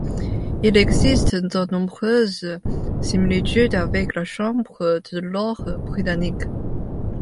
Il existe de nombreuses similitudes avec la Chambre des lords britannique.